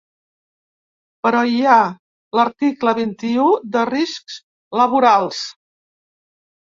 Però hi ha l’article vint-i-u de riscs laborals.